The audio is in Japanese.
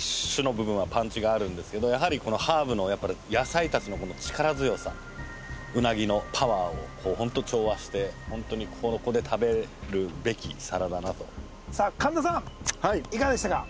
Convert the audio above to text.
主の部分はパンチがあるんですけどやはりこのハーブのウナギのパワーを本当調和して本当にここで食べるべき皿だなとさあ神田さんいかがでしたか？